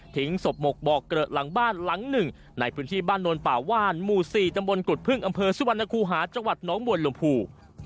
ศพหมกบอกเกลอะหลังบ้านหลังหนึ่งในพื้นที่บ้านโนนป่าว่านหมู่๔ตำบลกุฎพึ่งอำเภอสุวรรณคูหาจังหวัดน้องบวนลมภู